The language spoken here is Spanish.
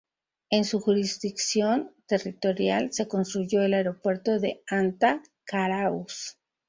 En su jurisdicción territorial se construyó el aeropuerto de Anta-Carhuaz.